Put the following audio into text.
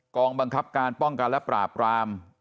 กองบังคับการป้องกันและปราบราม